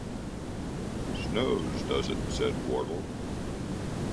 ‘Snows, does it?’ said Wardle.